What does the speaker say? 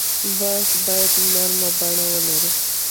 بحث باید نرمه بڼه ولري.